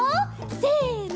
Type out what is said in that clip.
せの。